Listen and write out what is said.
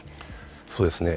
そうですね。